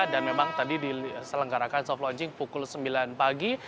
dan memang tadi diselenggarakan soft launching pukul sembilan pagi